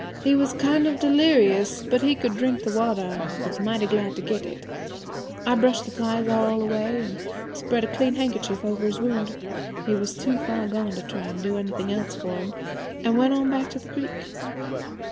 He was kind of delirious, but he could drink the water, an' was mighty glad to get it. I brushed the flies all away, an' spread a clean handkerchief over his wound, he was too far gone to try an' do anything else for him, an' went on back to the creek.